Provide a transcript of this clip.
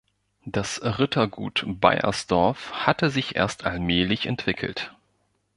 Das Rittergut Beiersdorf hatte sich erst allmählich entwickelt.